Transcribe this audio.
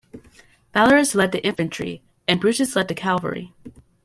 Valerius led the infantry, and Brutus led the cavalry.